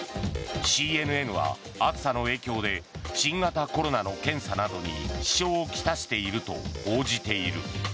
ＣＮＮは、暑さの影響で新型コロナの検査などに支障を来していると報じている。